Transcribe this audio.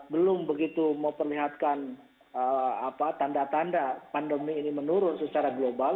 belum begitu memperlihatkan tanda tanda pandemi ini menurun secara global